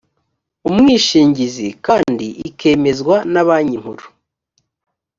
umwishingizi kandi ikemezwa na banki nkuru